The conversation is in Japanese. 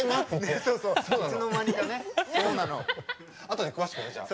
後で詳しくねじゃあ。